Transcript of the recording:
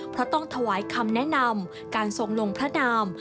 เพราะต้องถวายคำแนะนำการทรงลงพระนาม